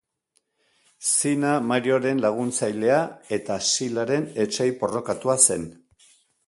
Zina Marioren laguntzailea eta Silaren etsai porrokatua zen.